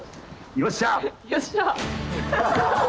よっしゃ！